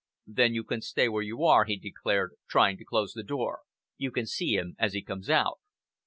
"Then you can stay where you are," he declared, trying to close the door. "You can see him as he comes out."